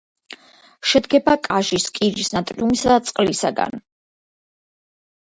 შედგება კაჟის, კირის, ნატრიუმისა და წყლისაგან.